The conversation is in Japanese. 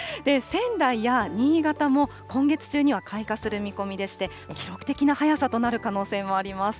仙台や新潟も今月中には開花する見込みでして、記録的な早さとなる可能性もあります。